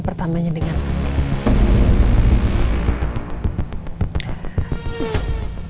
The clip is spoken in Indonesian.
pertamanya dengan andi